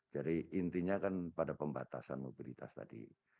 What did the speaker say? jadi intinya kan pada pembatasan mobilitas tadi